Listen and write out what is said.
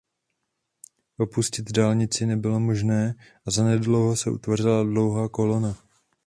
Opustit dálnici nebylo možné a zanedlouho se utvořila dlouhá kolona.